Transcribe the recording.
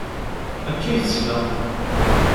Akka i tesla.